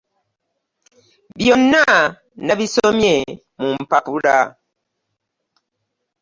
Byonna nabisomye mu mpapula.